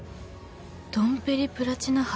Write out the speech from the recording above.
「ドンペリ・プラチナ」